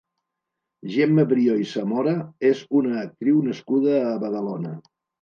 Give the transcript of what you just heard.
Gemma Brió i Zamora és una actriu nascuda a Badalona.